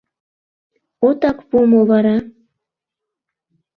Отак пу мо вара?